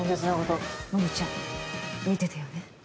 モモちゃん見ててよね。